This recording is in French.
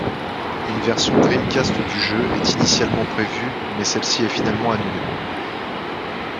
Une version Dreamcast du jeu est initialement prévue mais celle-ci est finalement annulée.